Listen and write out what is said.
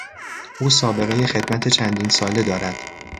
او سابقهی خدمت چندین ساله دارد.